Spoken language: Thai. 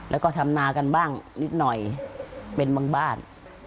แล้วก็ทำนากันบ้างนิดหน่อยเป็นบางบ้าน